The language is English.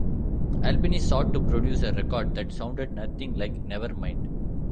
Albini sought to produce a record that sounded nothing like "Nevermind".